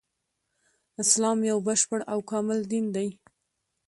اسلام يو بشپړ او کامل دين دی